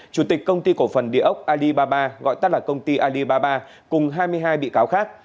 chủ tịch công ty cổ phần địa ốc alibaba gọi tắt là công ty alibaba cùng hai mươi hai bị cáo khác